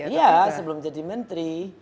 iya sebelum jadi menteri